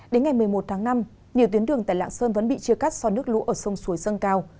đến ngày một mươi một tháng năm nhiều tuyến đường tại lạng sơn vẫn bị chia cắt do nước lũ ở sông suối dâng cao